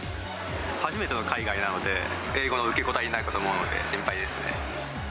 初めての海外なので、英語の受け答えになるかと思うので、心配ですね。